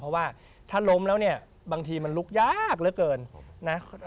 เพราะว่าถ้าล้มแล้วเนี่ยบางทีมันลุกยากเหลือเกินนะ